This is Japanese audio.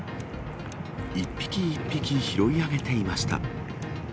一匹一匹拾い上げていました。